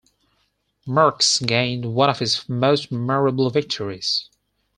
Merckx gained one of his most memorable victories.